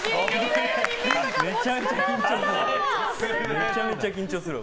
めちゃめちゃ緊張するわ。